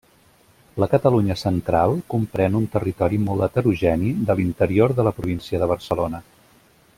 La Catalunya Central comprèn un territori molt heterogeni de l'interior de la província de Barcelona.